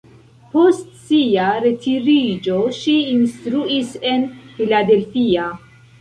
Post sia retiriĝo ŝi instruis en Philadelphia.